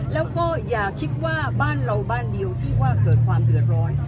แล้วก็อย่าคิดว่าบ้านเราบ้านเดียวที่ว่าเกิดความเดือดร้อน